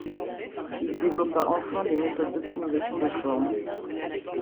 Il développa enfin des méthodes d’optimisation de forme.